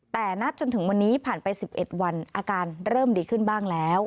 แต่นัดจนถึงวันนี้ผ่านไป๑๑วันอาการเริ่มดีขึ้นบ้างแล้ว